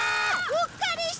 うっかりしてた！